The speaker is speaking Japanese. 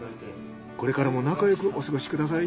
これからも仲よくお過ごしください。